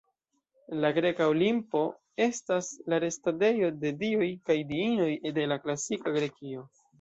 La greka Olimpo estas la restadejo de dioj kaj diinoj de la klasika Grekio.